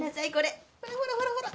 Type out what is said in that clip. ほらほらほらほら